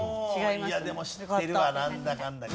いやでも知ってるわなんだかんだ。